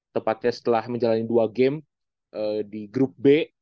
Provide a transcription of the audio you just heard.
tepatnya setelah menjalani dua game di grup b